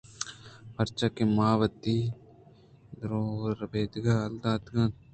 پرچاکہ ما وتی دود ءُ ربیدگ یلہ داتگ؟